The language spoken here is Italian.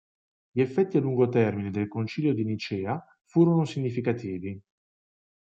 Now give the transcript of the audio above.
Gli effetti a lungo termine del concilio di Nicea furono significativi.